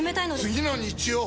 次の日曜！